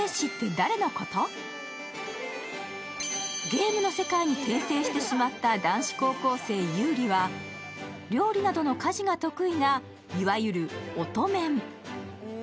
ゲームの世界に転生してしまった男子高校生・悠利は料理などの家事が得意ないわゆる乙男。